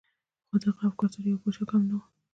خو د هغه افکار تر يوه پاچا کم نه وو.